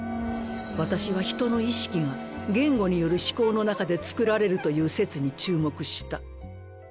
私は人の意識が言語による思考の中でつくられるという説に注目した。